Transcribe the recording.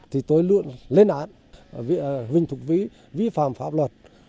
thì tôi luôn lên án hình thục vĩ vi phạm pháp luật